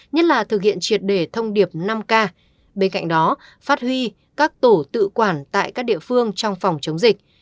nhất là thực hiện triệt để thông điệp năm k bên cạnh đó phát huy các tổ tự quản tại các địa phương trong phòng chống dịch